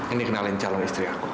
ini kenalin calon istri aku